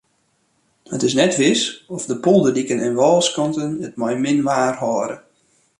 It is net wis oft de polderdiken en wâlskanten it mei min waar hâlde.